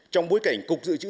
trong bối cảnh cục dự trị